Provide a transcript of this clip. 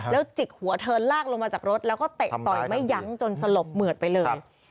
แล้วจิกหัวเธอลากลงมาจากรถแล้วก็เตะต่อยไม่ยั้งจนสลบเหมือดไปเลย